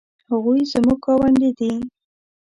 هغوی زموږ ګاونډي دي